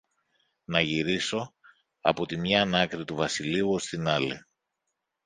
να γυρίσω από τη μίαν άκρη του βασιλείου ως την άλλη